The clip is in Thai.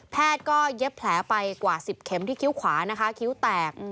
แพทย์ก็เย็บแผลไปกว่า๑๐เข็มที่คิ้วขวานะคะคิ้วแตก